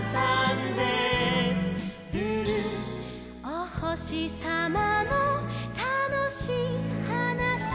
「おほしさまのたのしいはなし」